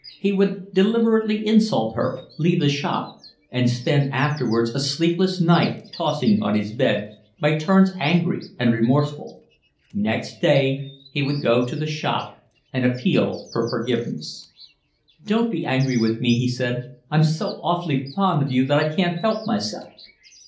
He would deliberately insult her, leave the shop and spend afterwards a sleepless night tossing on his bed, by turns angry and remorseful. Next day he would go to the shop and appeal for forgiveness. "Don't be angry with me," he said. "I'm so awfully fond of you that I can't help myself."